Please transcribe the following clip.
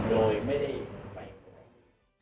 โดยไม่ได้ไปกว่า